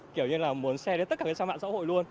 kiểu như là muốn share đến tất cả các sản phẩm xã hội luôn